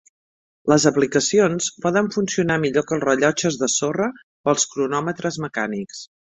Les aplicacions poden funcionar millor que els rellotges de sorra o els cronòmetres mecànics.